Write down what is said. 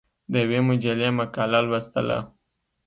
د یوې مجلې مقاله لوستله.